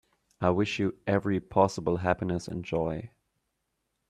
I wish you every possible happiness and joy.